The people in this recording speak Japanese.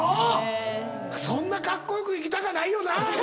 そんなカッコ良く生きたかないよな！